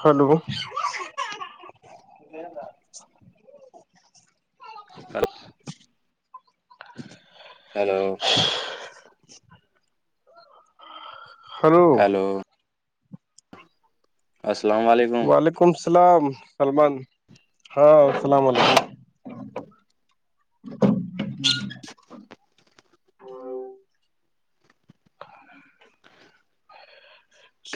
hello کل hello ہرو hello السلام علیکم وعلیکم السلام سلمان ہاں السلام علیکم [unintelligible] [unintelligible]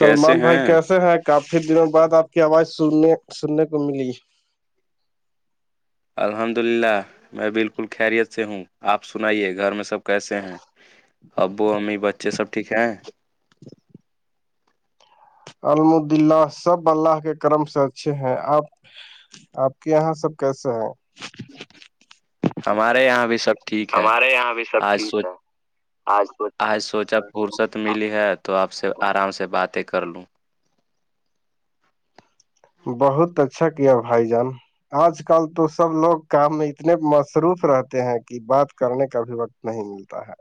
کیسے بھائی ہیں کیسے ہیں کافی دنوں بعد آپ کی آواز سننے سننے کو ملی الحمد للہ میں بالکل خیریت سے ہوں آپ سنائیے گھر میں سب کیسے ہیں ابو امی بچے سب ٹھیک ہیں الحمدلہ سب اللہ کے کرم سے اچھے ہیں آپ آپ کے یہاں سب کیسا ہے ہمارے یہاں بھی سب ٹھیک ہے ہمارے یہاں بھی سب آج ٹھیک سوچ ہے آج تو آج سوچا فرصت ملی ہے تو آپ سے آرام سے باتیں کر لوں بہت اچھا کیا بھائی جان آج کل تو سب لوگ کام میں اتنے مصروف رہتے ہیں کہ بات کرنے کا بھی وقت نہیں بولتا ہے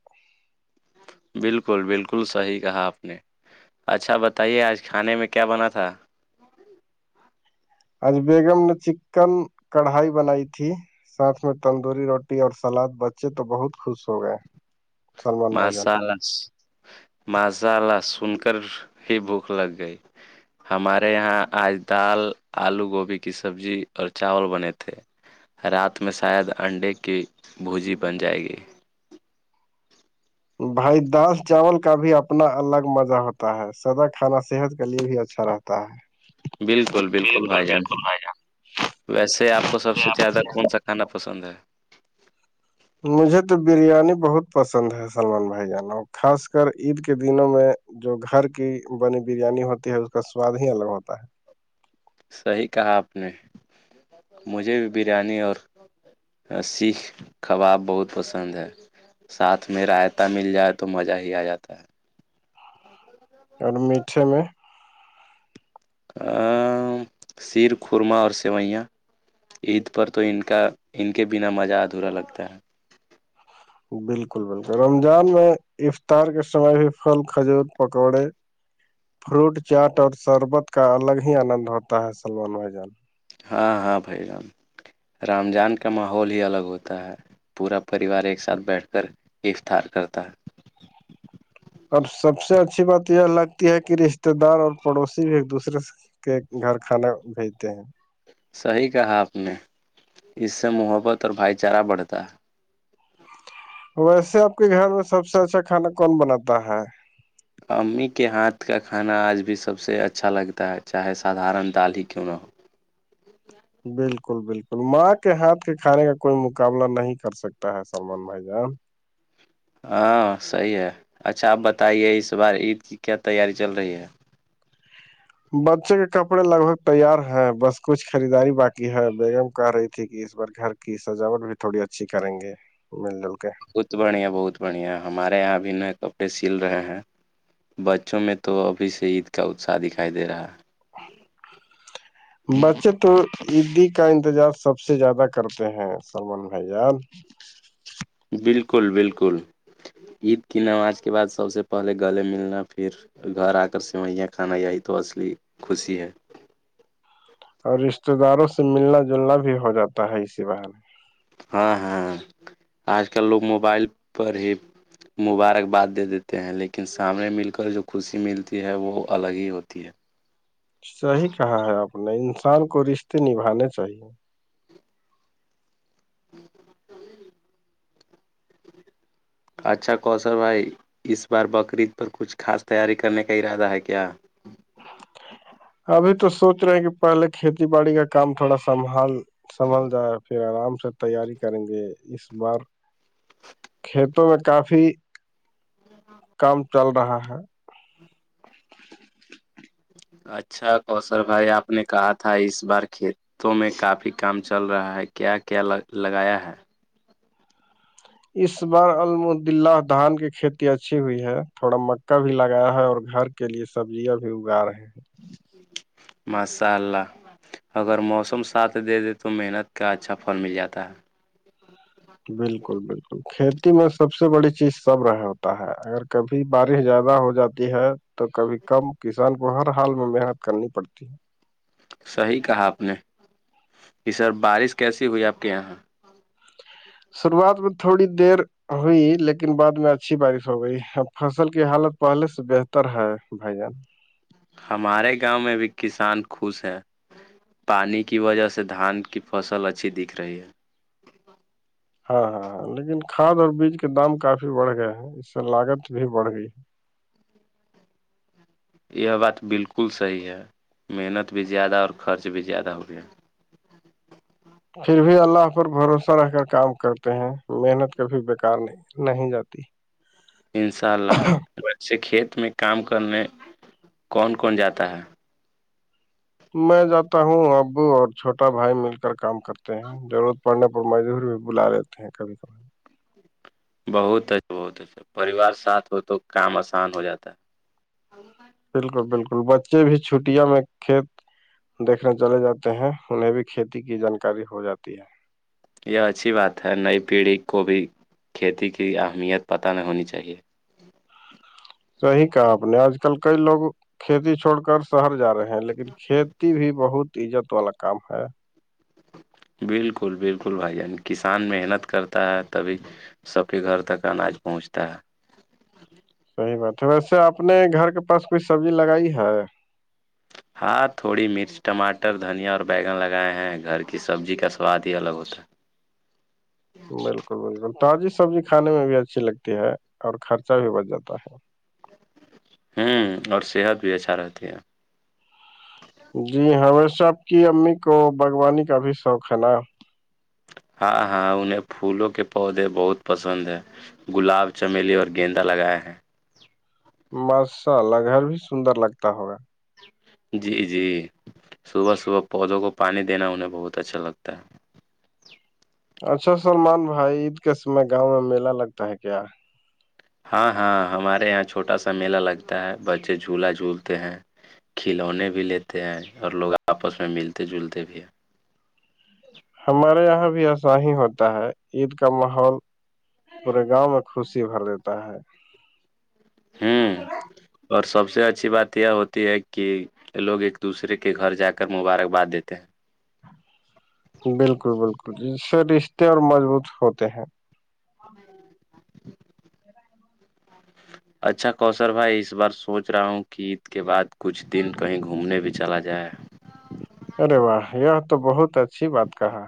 بالکل بالکل صحی کہا آپ نے اچھا بتائیے آج کھانے میں کیا بنا تھا آج بیگم نے چکن کڑھائی بنائی تھی ساتھ میں تندوری روٹی اور سلاد بچے تو بہت خوش ہو گئے سلمان بھائی جان مسال ماسال سن کر ہی بھوک لگ گئی ہمارے یہاں آج دال آلو گوبھی کی سبزی اور چاول بنے تھے رات میں شاید انڈے کی بھوجی بن جائے گی بھائی دال چاول کا بھی اپنا الگ مزہ ہوتا ہے سدا کھانا صحت کے لیے بھی اچھا رہتا ہے بالکل بالکل بھائی جان بالکل بھائی ویسے آپ کو سب جان سے آپ زیادہ کون سکتا کھانا پسند ہے مجھے تو بریانی بہت پسند ہے سلمان بھائی جانو خاص کر عید کے دنوں میں جو گھر کی بنی بریانی ہوتی ہے اس کا سواد ہی الگ ہوتا ہے صحیح کہا آپ نے مجھے بھی بریانی اور ہاں سیخ کباب بہت پسند ہے ساتھ میں رائتا مل جائے تو مزہ ہی آ جاتا ہے اور اور میٹھے میں [inaudible] سیر خورما اور سوئیاں عید پر تو ان کا ان کے بنا مزہ ادھورا لگتا ہے بالکل بالکل رمضان میں افطار کے سمے بھی پھل کھجور پکوڑے فروٹ چاٹ اور شربت کا الگ ہی آنند ہوتا ہے سلمان بھ جان ہاں ہاں بھائی رام رمضان کا ماحول ہی الگ ہوتا ہے پورا پریوار ایک ساتھ بیٹھ کر اف تھار کرتا ہے اور سب سے اچھی بات یہ لگتی ہے کہ رشتے دار اور پڑوسی بھی ایک دوسرے سے کے گھر کھانا بھیجتے ہیں صحیح کہا آپ نے اس سے محبت اور بھائی چارہ بڑھتا ہے ویسے آپ کے گھر میں سب سے اچھا کھانا کون بناتا ہے امی کے ہاتھ کا کھانا آج بھی سب سے اچھا لگتا ہے چاہے سادارن دال ہی کیوں نہ ہو بالکل بالکل ماں کے ہاتھ کے کھانے کا کوئی مقابلہ نہیں کر سکتا ہے سن م جان ہاں صحیح ہے اچھا آپ بتائیے اس بار عید کی کیا تیاری چل رہی ہے بچے کے کپڑے لگ بھگ تیار ہیں بس کچھ خریداری باقی ہے بیگم کہہ رہی تھی کہ اس بار گھر کی سجاوٹ بھی تھوڑی اچھی کریں گے مل جل کے بت بڑھیا بہت بڑھیا ہمارے یہاں ا بھی نئے کپڑے سل رہے ہیں بچوں میں تو ابھی سے عید کا اتساہ دکھائی دے رہا ہے [unintelligible] بچے تو عیدی کا انتظار سب سے زیادہ کرتے ہیں سلمان بھیاان بالکل بالکل عید کی نماز کے بعد سب سے پہلے گلے ملنا پھر گھر آ کر سوئیاں کھانا یہی تو اصلی خوشی ہے اور رشتے داروں سے ملنا جلنا بھی ہو جاتا ہے اسی بار میں ہاں ہاں آج کل لوگ موبائل پر ہی تی ہے وہ الگ ہی ہوتی ہے صحیح کہا ہے آپ نے انسان کو رشتے نبھانے چاہیے اچھا کوثل بھائی اس بار بقرعید پر کچھ خاص تیاری کرنے کا ارادہ ہے کیا ابھی تو سوچ رہے ہیں کہ پہلے کھیتی باڑی کا کام تھوڑا سنبھال سنبھل جائے پھر آرام سے تیاری کریں گے اس بار کھیتوں میں کافی کام چل رہا ہے اچھا کوثر بھائی آپ نے کہا تھا اس بار کھیت ختوں میں کافی کام چل رہا ہے کیا کیا لگایا ہے اس بار المدلہ دھان کی کھیتی اچھی ہوئی ہے تھوڑا مکا بھی لگایا ہے اور گھر کے لیے سبزیاں بھی اگا رہے ہیں مشاء اللہ اگر موسم ساتھ دے دے تو محنت کا اچھا پھل مل جاتا ہے بالکل بالکل کھیتی میں سب سے بڑی چیز سب رہ ہوتا ہے اگر کبھی بارش زیادہ ہو جاتا ہے تو کبھی کم کسان کو ہر حال میں محنت کرنی پڑتی ہے صحیح کہا آپ نے کہ سر بارش کیسی ہوئی آپ کے یہاں شروعات میں تھوڑی دیر ہوئی لیکن بعد میں اچھی بارش ہو گئی فصل کی حالت پہلے سے بہتر ہے بھائی جان ہمارے گاؤں میں بھی کسان خوش ہیں پانی کی وجہ سے دھان کی فصل اچھی دکھ رہی ہے ہاں ہاں ہاں لیکن کاد اور بیج کے دام کافی بڑھ گیا ہے اس سے لاگت بھی بڑھ گئی ہے یہ بات بالکل صحیح ہے محنت بھی زیادہ اور خرچ بھی زیادہ ہو گیا ہیں پھر بھی اللہ پر بھروسہ رہ کر کام کرتے ہیں محنت کبھی بیکار نہیں نہیں جاتی ان شاء اللہ ویسے کھیت میں کام کرنے کون کون جاتا ہے میں جاتا ہوں ابو اور چھوٹا بھائی مل کر کام کرتے ہیں ضرورت پڑنے اور مزدور بھی بلا لیتے ہیں کبھی کبھار بہت اچھا بہت اچھا پریوار ساتھ ہو تو کام آسان ہو جاتا ہے بالکل بالکل بچے بھی چھٹیاں میں کھیت دیکھنے چلے جاتے ہیں انہیں بھی کھیتی کی جانکاری ہو جاتی ہے یہ اچھی بات ہے نئی پیڑھی کو بھی کھیتی کی اہمیت پتہ نہیں ہونی چاہیے صحیح کہا آپ نے آج کل کئی لوگ کھیتی چھوڑ کر شہر جا رہے ہیں ہیں لیکن کھیتی بھی بہت عزت والا کام ہے بالکل بالکل بھائی جان کسان محنت کرتا ہے تبھی سب کے گھر تک اناج پہنچتا ہے صحیح بات ہے ویسے اپنے گھر کے پاس کوئی سبزی لگائی ہے ہاں تھوڑی مرچ ٹماٹر دھنیا اور بگن لگائے ہیں گھر کی سبزی کا سواد ہی الگ ہوتا ہے بالکل بالکل تازی سبزی کھانے میں بھی اچھی لگتی ہے اور خرچہ بھی بھ جاتا ہے ہوں اور صحت بھی اچھا رہتی ہے جی ہمیشہ آپ کی امی کو باغوانی کا بھی شوق ہے نا ہاں ہاں انہیں پھولوں کے پودے بہت پسند ہیں گلاب چمیلی اور گیندا لگایا ہیں مسءلہ گھر بھی سندر لگتا ہوگا جی جی صبح صبح پودوں کو پانی دینا انہیں بہت اچھا لگتا ہے اچھا سلمان بھائی عید کے سے گاؤں میں میلہ لگتا ہے کیا [unintelligible] ہاں ہاں ہمارے یہاں چھوٹا سا میلہ لگتا ہے بچے جھولا جھولتے ہیں کھلونے بھی لیتے ہیں اور لوگ آپس میں ملتے جلتے بھی ہیں ہمارے یہاں بھی ایسا ہی ہوتا ہے عید کا ماحول [unintelligible] پورے گاؤں میں خوشی بھر دیتا ہے [unintelligible] کون ہوں کرا [inaudible] اور سب سے اچھی بات یہ ہوتی ہے کہ لوگ ایک دوسرے کے گھر جا کر مبارکباد دیتے ہیں بالکل بالکل جے رشتے اور مضبوط ہوتے ہیں [unintelligible] ہوں [inaudible] ج اچھا کوشر بھائی اس بار سوچ رہا ہوں کہ عید کے بعد کچھ دن کہیں گھومنے بھی چلا جائے ارے واہ یہ تو بہت اچھی بات کہا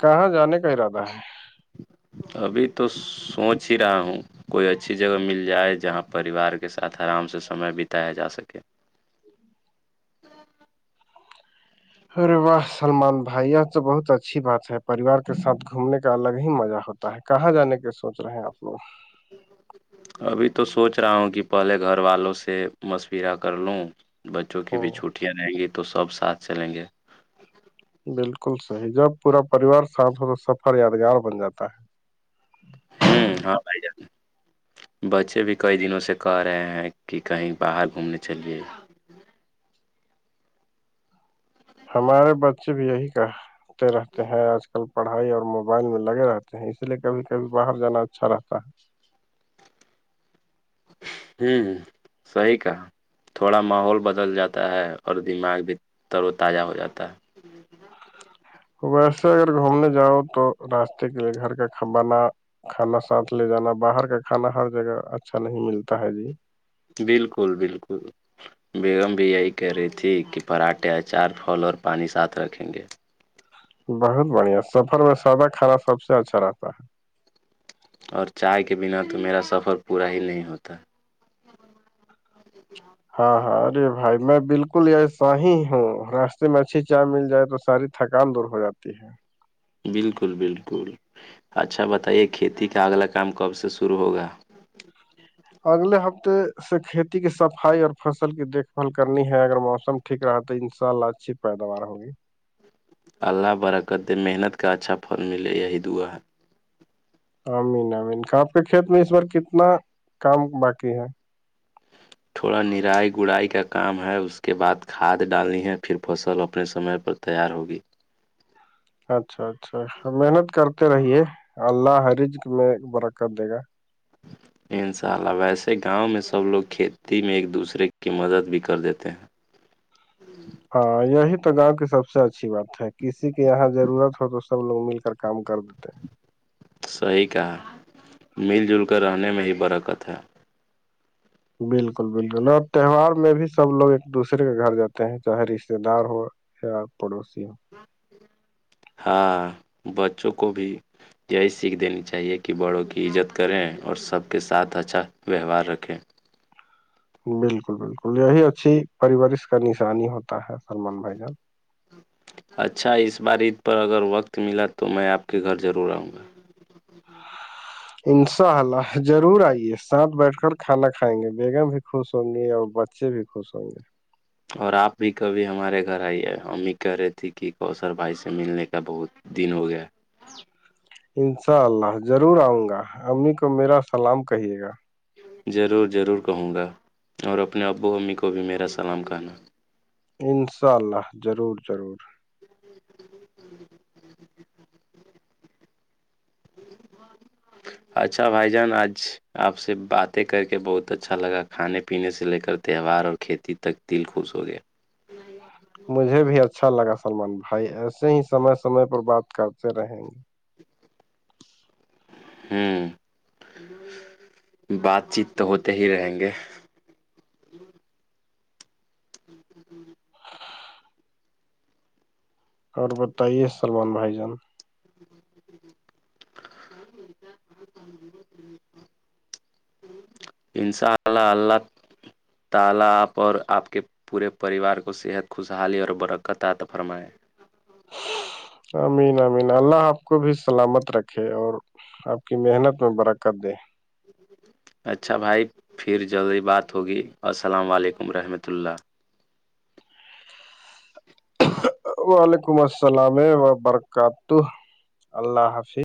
کہاں جانے کا ارادہ ہے ابھی تو سوچ ہی رہا ہوں کوئی اچھی جگہ مل جائے جہاں پریوار کے ساتھ آرام سے سمے بتایا جا سکے ارے واہ سلمان بھائی یہ تو بہت اچھی بات ہے پریوار کے ساتھ گھومنے کا الگ ہی مزہ ہوتا تا ہے کہاں جانے کے سوچ رہے ہیں آپ لوگ ابھی تو سوچ رہا ہوں کہ پہلے گھر والوں سے مشورہ کر لوں بچوں کی او بھی چھوٹیاں رہیں گی تو سب ساتھ چلیں گے بالکل صحیح جب پورا پریوار سانت ہو تو سفر یادگار بن جاتا ہے [unintelligible] ہوں ہاں جات بچے بھی کئی دنوں سے کہ رہے ہیں کہ کہیں باہر گھومنے چلیے [unintelligible] ہمارے بچے بھی یہی کہتے رہتے ہیں آج کل آ کل پڑھائی اور موبائل میں لگے رہتے ہیں اس لیے کبھی کبھی باہر جانا اچھا رہتا ہے [unintelligible] ہوں سی کا تھوڑا ماحول بدل جاتا ہے اور دماغ بھی تر و تازہ ہو جاتا ہے ویسے اگر گھومنے جاؤ تو راستے کےے گھر کا کھبانا کھانا ساتھ لے جانا باہر کا کھانا ہر جگہ اچھا نہیں ملتا ہے جی بالکل بالکل [unintelligible] بیگم بھی یہی کہہ رہی تھی کہ پراٹھے اچار پھل اور پانی ساتھ رکھیں گے [unintelligible] بہت بڑھیا سفر میں سادہ کھانا سب سے اچھا رہتا ہے اور چائے کے بنا تو میرا سفر پورا ہی نہیں ہوتا [unintelligible] ہاں ہاں ارے بھائی میں بالکل یہ س ہی ہوں راستے میں اچھی چائے مل جائے تو ساری [unintelligible] تھکان دور ہو جاتی ہے بالکل بالکل اچھا بتائیے کھیتی کا اگلا کام کب سے شروع ہوگا [unintelligible] اگلے ہفتے سے کھیتی کی صفائی اور فصل کی دیکھ بھال کرنی ہے اگر موسم ٹھیک رہا تو ان شاء اللہ اچھی پیداوار ہوگی اللہ برکت دے محنت کا اچھا پل ملے یہی دعا ہے امین امین آپ کے کھیت میں اس بار کتنا کام باقی ہے تھوڑا نرائی گڑائی کا کام ہے اس کے بعد کھاد ڈالنی ہے پھر فصل اپنے سمے پر تیار ہوگی اچھا اچھا محنت کرتے رہیے اللہ حرج میں برکت دے گا [inaudible] ان شاء اللہ ویسے گاؤں میں سب لوگ کھیتی میں ایک دوسرے کی مدد بھی کر دیتے ہیں ہاں یہی تو گاؤں کی سب سے اچھی بات ہے کسی کی یہاں ضرورت ہو تو سب لوگ مل کر کام کر دیتے ہیں صحیح کہ مل جل کر رہنے میں ہی برکت ہے بالکل بالکل اور تہوار میں بھی سب لوگ ایک دوسرے کے گھر جاتے ہیں چاہے رشتے دار ہو ا پڑوسیی ہاں بچوں کو بھی یہی سیکھ دینی چاہیے کہ بڑوں کی عزت کریں اور سب کے ساتھ اچھا ویوہار رکھیں بالکل بالکل یہی اچھی پریورارش کا نشانی ہوتا ہے سللمان بھائی جان اچھا اس بار عید پر اگر وقت ملا تو میں آپ کے گھر ضرور آؤں گا انشاء اللہ ضرور آئیے ساتھ بیٹھ کر کھانا کھائیں گے بیگم بھی خوش ہوں گے اور بچے بھی خوش س ہے اور آپ بھی کبھی ہمارے گھر آئیے امی کہہ رہے تھھی کہ کوثر بھائی سے ملنے کا بہت دن ہو گیا انشاء اللہ ضرور آؤں گا امی کو میرا سلام کہیے گا ضرور ضرور کہوں گا اور اپنے ابو امی کو بھی میرا سلام کہنا انشاء اللہ ضرور ضرور [unintelligible] اچھا بھائی جان آج آپ سے باتیں کر کے بہت اچھا لگا کھانے پینے سے لے کر تہوار اور کھیتی تک دل خوش ہو گیا مجھے بھی اچھا لگا سلمان بھائی ایسے ہی سمے سمے پر بات کرتے رہیں گے ہوں بات چیت تو ہوتے ہی رہیں گے ہاں ہوں اور بتائیے سلمان بھائی جان [unintelligible] انشاء اللہ اللہ تعالی آپ اور آپ کے پورے پریوار کو صحت خوشحالی اور برکتات فرمائائے امین امین اللہ آپ کو بھی سلامت رکھے اور آپ کی محنت میں برکت دے اچھا بھائی پھر جلدی بات ہوگی السلام علیکم رحمت اللہ وعلیکم السلام وبرکاتہ اللہ حافظ